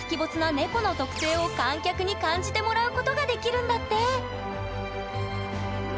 猫の特性を観客に感じてもらうことができるんだって！